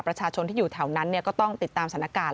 ประชาชนที่อยู่แถวนั้นก็ต้องติดตามสถานการณ์